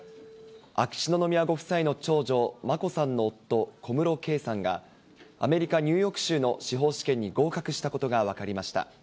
秋篠宮ご夫妻の長女、眞子さんの夫、小室圭さんが、アメリカ・ニューヨーク州の司法試験に合格したことが分かりました。